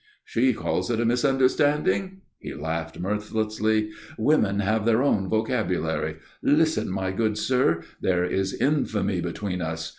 "She calls it a misunderstanding?" He laughed mirthlessly. "Women have their own vocabulary. Listen, my good sir. There is infamy between us.